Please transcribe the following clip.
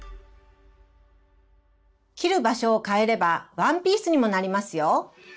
切る場所を変えればワンピースにもなりますよ。